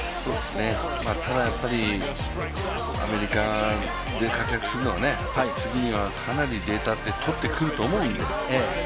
ただ、アメリカで活躍するのは次にはかなりデータ取ってくると思うんで。